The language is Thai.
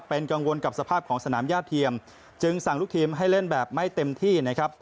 เป็นกังวลกับสภาพของสนามญาติเทียมจึงสั่งลูกทีมให้เล่นแบบไม่เต็มที่นะครับ